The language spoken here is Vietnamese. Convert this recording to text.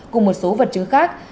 cùng một số vật chứng khác